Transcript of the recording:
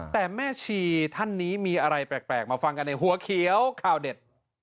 แต่แม่ชีท่านนี้มีอะไรแปลกมาฟังกันในหัวเขียวข่าวเด็ด